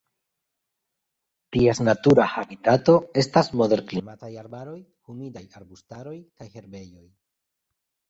Ties natura habitato estas moderklimataj arbaroj, humidaj arbustaroj kaj herbejoj.